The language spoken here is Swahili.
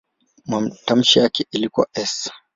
Matamshi yake ilikuwa "s".